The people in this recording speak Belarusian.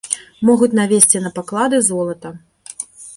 Могуць навесці на паклады золата.